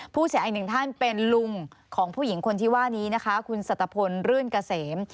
เสียอีกหนึ่งท่านเป็นลุงของผู้หญิงคนที่ว่านี้นะคะคุณสัตวพลรื่นเกษม